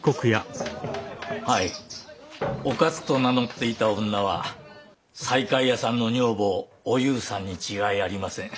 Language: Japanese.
はいお勝と名乗っていた女は西海屋さんの女房お夕さんに違いありません。